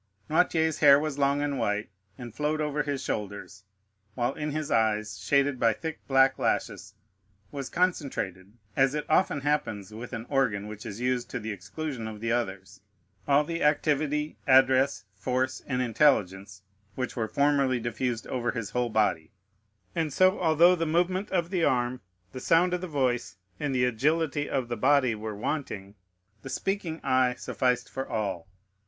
Noirtier's hair was long and white, and flowed over his shoulders; while in his eyes, shaded by thick black lashes, was concentrated, as it often happens with an organ which is used to the exclusion of the others, all the activity, address, force, and intelligence which were formerly diffused over his whole body; and so although the movement of the arm, the sound of the voice, and the agility of the body, were wanting, the speaking eye sufficed for all.